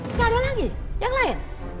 nggak ada lagi yang lain